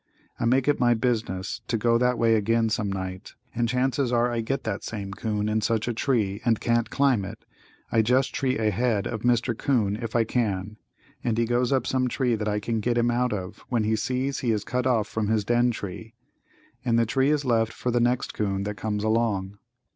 I make it my business to go that way again some night, and the chances are I get that same 'coon in such a tree and can't climb it, I just tree a head of Mr. 'Coon if I can, and he goes up some tree that I can get him out of when he sees he is cut off from his den tree, and the tree is left for the next 'coon that comes along.